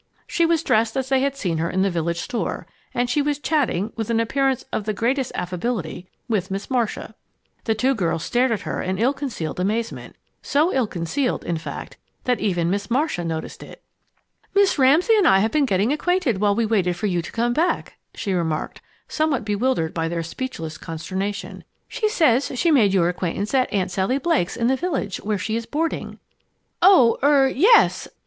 _ She was dressed as they had seen her in the village store, and she was chatting, with an appearance of the greatest affability, with Miss Marcia. The two girls stared at her in ill concealed amazement so ill concealed, in fact, that even Miss Marcia noticed it. "Miss Ramsay and I have been getting acquainted while we waited for you to come back," she remarked, somewhat bewildered by their speechless consternation. "She says she made your acquaintance at Aunt Sally Blake's in the village, where she is boarding." "Oh er, yes!"